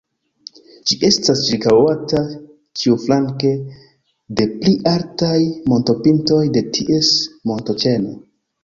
Ĝi estas ĉirkaŭata ĉiuflanke de pli altaj montopintoj de ties montoĉeno.